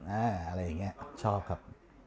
อะไรอย่างนี้ชอบครับ